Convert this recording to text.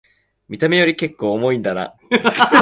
見た目よりけっこう重いんだな